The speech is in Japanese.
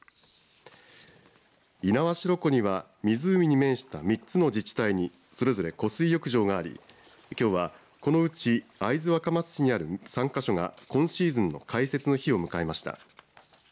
猪苗代湖には湖に面した３つの自治体にそれぞれ湖水浴場がありきょうは、このうち会津若松市にある３か所が今シーズンの開設の日を迎えました。